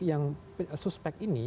yang suspek ini